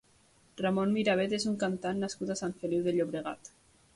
Ramon Mirabet és un cantant nascut a Sant Feliu de Llobregat.